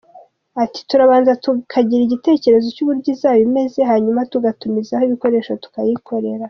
Ati” Turabanza tukagira igitekerezo cy’uburyo izaba imeze, hanyuma tugatumizaho ibikoresho tukayikorera.